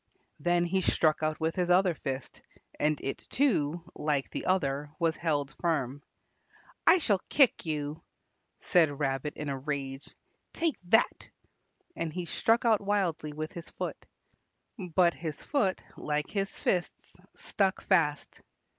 Then he struck out with his other fist, and it too, like the other, was held firm. "I shall kick you," said Rabbit in a rage. "Take that," and he struck out wildly with his foot. But his foot, like his fists, stuck fast.